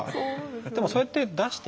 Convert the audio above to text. でもそうやって出していって。